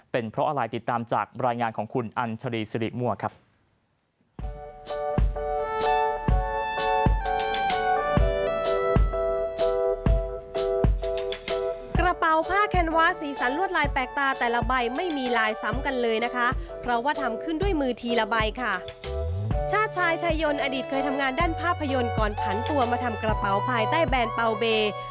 เป็นเพราะอะไรติดตามจากรายงานของคุณอัญชรีสิริมั่วครับ